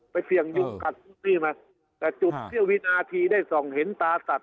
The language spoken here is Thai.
ไปเฟียงยุ่งกัดทุกที่มาแต่จุดเวียววินาทีได้ส่องเห็นตาสัตว์